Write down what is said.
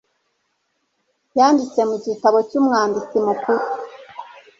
yanditse mu gitabo cy Umwanditsi Mukuru